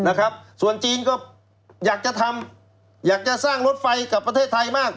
นะครับส่วนจีนก็อยากจะทำอยากจะสร้างรถไฟกับประเทศไทยมาก